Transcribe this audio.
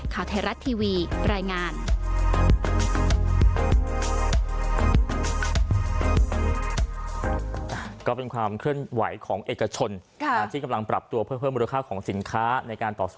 ข่าวไทยรัฐทีวีรายงาน